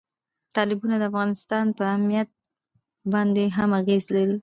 تالابونه د افغانستان په امنیت باندې هم اغېز لري.